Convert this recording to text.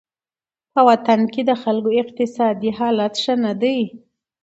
په وطن کې د خلکو اقتصادي حالت ښه نه دی.